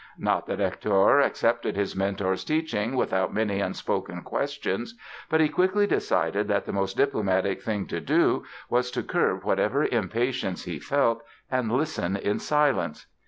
Not that Hector accepted his mentor's teaching without many unspoken questions, but he quickly decided that the most diplomatic thing to do was to curb whatever impatience he felt and listen in silence.